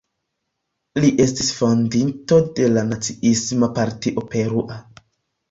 Li estis fondinto de la Naciisma Partio Perua.